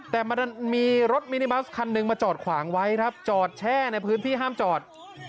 แต่มันมีรถมินิบัสคันหนึ่งมาจอดขวางไว้ครับจอดแช่ในพื้นที่ห้ามจอด